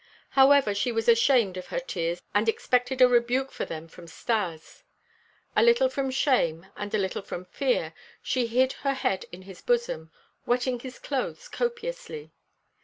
However, as she was ashamed of her tears and expected a rebuke for them from Stas, a little from shame and a little from fear she hid her head on his bosom, wetting his clothes copiously.